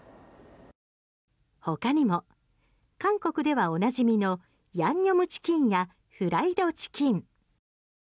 ほかにも韓国ではおなじみのヤンニョムチキンやフライドチキン。